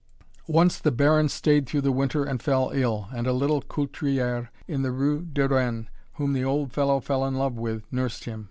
Once the Baron stayed through the winter and fell ill, and a little couturière in the rue de Rennes, whom the old fellow fell in love with, nursed him.